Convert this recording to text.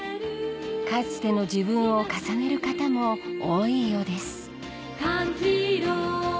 かつての自分を重ねる方も多いようです